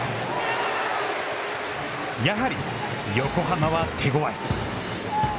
やはり、横浜は手ごわい。